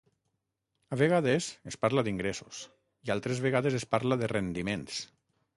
A vegades es parla d’ingressos i altres vegades es parla de rendiments.